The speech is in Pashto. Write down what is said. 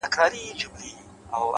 صبر د ناوخته بریا ساتونکی وي’